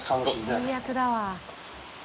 最悪だわ。